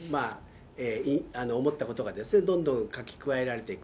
思ったことがどんどん書き加えられていく。